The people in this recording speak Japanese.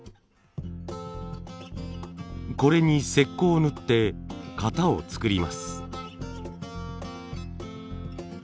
これに石こうを塗って型を作ります。